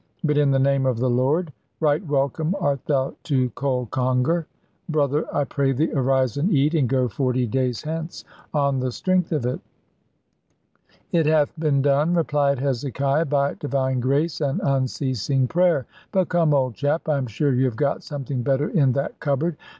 But in the name of the Lord, right welcome art thou to cold conger! Brother, I pray thee, arise and eat; and go forty days hence on the strength of it." "It hath been done," replied Hezekiah, "by Divine grace and unceasing prayer. But come, old chap, I am sure you have got something better in that cupboard.